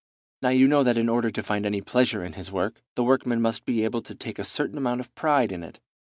Now you know that in order to find any pleasure in his work, the workman must be able to take a certain amount of pride in it.